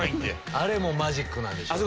あれもマジックなんでしょうね。